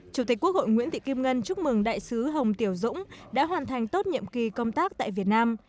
chủ tịch quốc hội nguyễn thị kim ngân chúc mừng đại sứ hồng tiểu dũng đã hoàn thành tốt nhiệm kỳ công tác tại việt nam